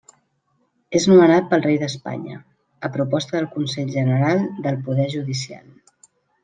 És nomenat pel Rei d'Espanya, a proposta del Consell General del Poder Judicial.